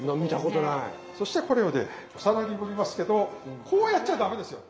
そしたらこれをねお皿に盛りますけどこうやっちゃ駄目ですよ。